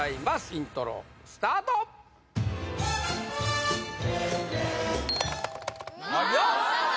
イントロスタートはやっ